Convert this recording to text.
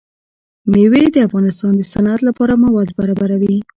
مېوې د افغانستان د صنعت لپاره مواد برابروي.